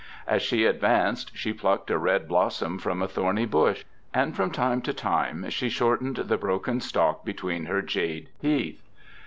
As she advanced she plucked a red blossom from a thorny bush, and from time to time she shortened the broken stalk between her jade teeth.